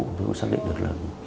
chúng tôi cũng xác định được là